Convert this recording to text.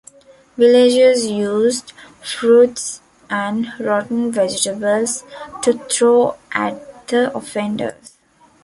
Villagers used fruit and rotten vegetables to throw at the offenders.